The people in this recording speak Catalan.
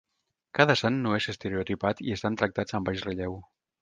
Cada sant no és estereotipat i estan tractats amb baix relleu.